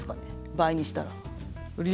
倍にしたら。